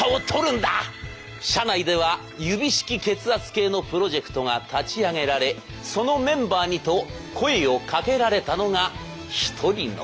社内では指式血圧計のプロジェクトが立ち上げられそのメンバーにと声をかけられたのが一人の男。